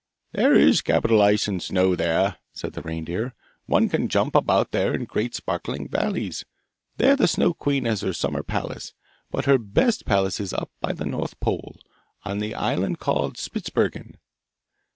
'There is capital ice and snow there!' said the reindeer. 'One can jump about there in the great sparkling valleys. There the Snow queen has her summer palace, but her best palace is up by the North Pole, on the island called Spitzbergen.